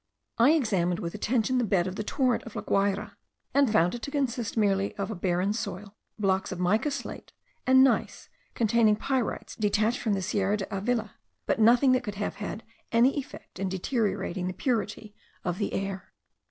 I examined with attention the bed of the torrent of La Guayra; and found it to consist merely of a barren soil, blocks of mica slate, and gneiss, containing pyrites detached from the Sierra de Avila, but nothing that could have had any effect in deteriorating the purity of the air.